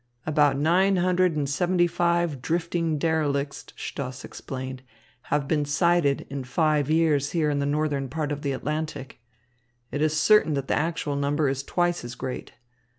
"About nine hundred and seventy five drifting derelicts," Stoss explained, "have been sighted in five years here in the northern part of the Atlantic. It is certain that the actual number is twice as great.